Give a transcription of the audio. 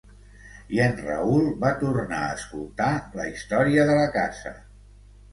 I en Raül va tornar a escoltar la història de la casa.